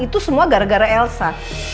itu semua gara gara elsa